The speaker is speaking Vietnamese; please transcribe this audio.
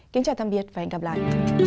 kính chào tạm biệt và hẹn gặp lại